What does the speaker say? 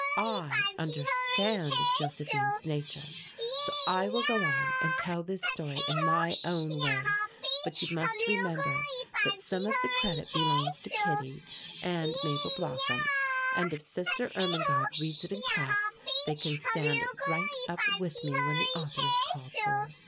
I understand Josephine's nature, so I will go on and tell this story in my own way, but you must remember that some of the credit belongs to Kittie and Mabel Blossom; and if Sister Irmingarde reads it in class, they can stand right up with me when the author is called for.